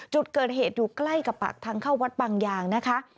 จุดเกิดเหตุอยู่ใกล้กับปากทางเข้าวัดบางยางนะคะ